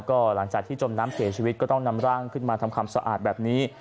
ก็หลังจากที่จมน้ำเสียชีวิตก็ต้องนำร่างขึ้นมาทำความสะอาดแบบนี้